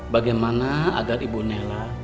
bagaimana agar ibu nayla